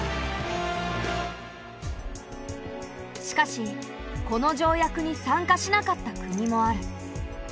しかしこの条約に参加しなかった国もある。